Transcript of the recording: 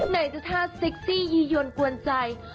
ไหนจะท่าเซ็กซี่ยียนกวนใจ